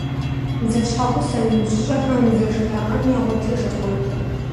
Зэщхьэгъусэ ныбжьыщӏэхэм зэжраӏэн ягъуэтыжыртэкъым.